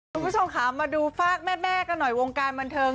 คุณผู้ชมค่ะมาดูฝากแม่กันหน่อยวงการบันเทิง